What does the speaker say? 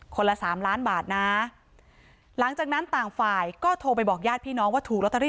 ละสามล้านบาทนะหลังจากนั้นต่างฝ่ายก็โทรไปบอกญาติพี่น้องว่าถูกลอตเตอรี่